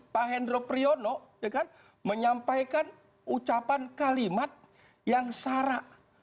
pak hendro priyono menyampaikan ucapan kalimat yang sara